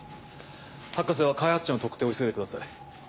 博士は開発者の特定を急いでください。